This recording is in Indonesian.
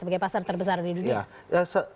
sebagai pasar terbesar di dunia